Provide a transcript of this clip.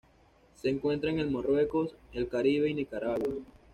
Se encuentra en el Marruecos, el Caribe y Nicaragua.